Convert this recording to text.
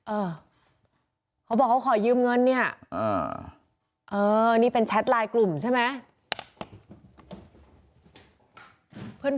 เออเขาบอกเขาขอยืมเงินเนี่ยเออนี่เป็นแชทไลน์กลุ่มใช่ไหม